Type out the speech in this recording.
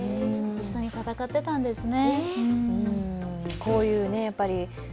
一緒に戦っていたんですね。